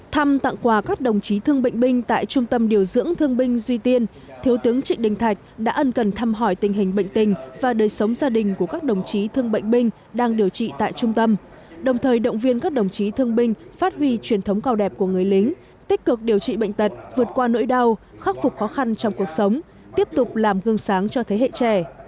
thăm tặng quà các đồng chí thương bệnh binh tại trung tâm điều dưỡng thương binh duy tiên thiếu tướng trịnh đình thạch đã ân cần thăm hỏi tình hình bệnh tình và đời sống gia đình của các đồng chí thương bệnh binh đang điều trị tại trung tâm đồng thời động viên các đồng chí thương binh phát huy truyền thống cao đẹp của người lính tích cực điều trị bệnh tật vượt qua nỗi đau khắc phục khó khăn trong cuộc sống tiếp tục làm gương sáng cho thế hệ trẻ